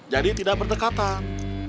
jadi tidak berdekatan